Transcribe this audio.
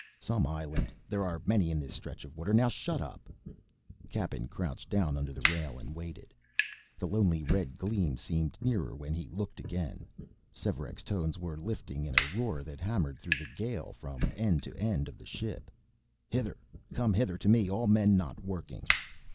"Some island there are many in this stretch of water now shut up!" Cappen crouched down under the rail and waited. The lonely red gleam seemed nearer when he looked again. Svearek's tones were lifting in a roar that hammered through the gale from end to end of the ship: "Hither! Come hither to me, all men not working!"